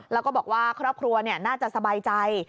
แล้วก็บอกว่าครอบครัวน่าจะสบายใจ